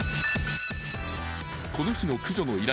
この日の駆除の依頼